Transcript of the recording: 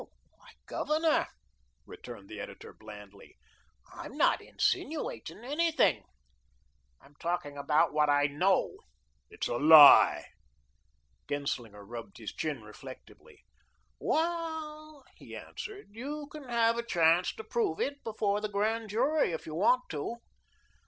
"Why, Governor," returned the editor, blandly, "I'm not INSINUATING anything. I'm talking about what I KNOW." "It's a lie." Genslinger rubbed his chin reflectively. "Well," he answered, "you can have a chance to prove it before the Grand Jury, if you want to."